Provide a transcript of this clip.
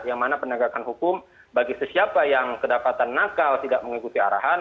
yang mana penegakan hukum bagi siapa yang kedapatan nakal tidak mengikuti arahan